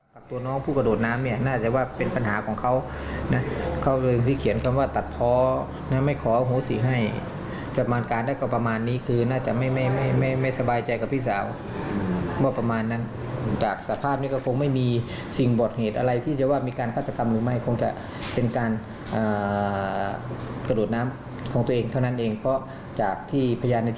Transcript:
มากระโดดน้ำของตัวเองเพราะจากที่เพญิดที่เกิดเหตุก็คือสัมมณีน